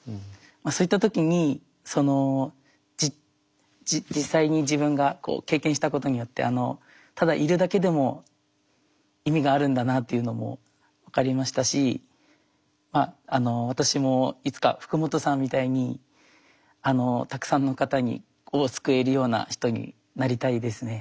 そういった時に実際に自分が経験したことによってただいるだけでも意味があるんだなっていうのも分かりましたし私もいつか福本さんみたいにたくさんの方を救えるような人になりたいですね。